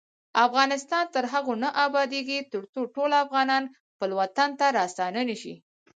افغانستان تر هغو نه ابادیږي، ترڅو ټول افغانان خپل وطن ته راستانه نشي.